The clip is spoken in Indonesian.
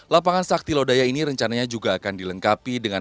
lapangan sakti lodaya ini rencananya juga akan dilengkapi dengan